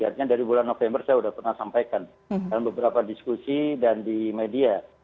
artinya dari bulan november saya sudah pernah sampaikan dalam beberapa diskusi dan di media